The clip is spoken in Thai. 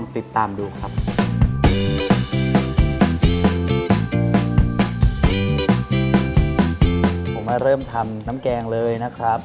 ผมมาเริ่มทำน้ำแกงเลยนะครับ